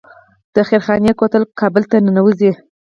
د خیرخانې کوتل کابل ته ننوځي